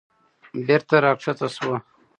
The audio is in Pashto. بېرته راکښته شوه.